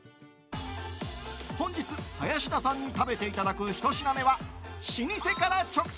本日、林田さんに食べていただく１品目は老舗から直送！